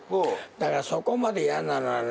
だからそこまで嫌ならね